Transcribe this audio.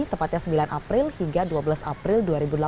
tepatnya sembilan april hingga dua belas april dua ribu delapan belas